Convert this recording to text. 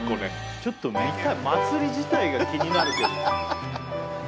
ちょっと見たい祭り自体が気になるけど。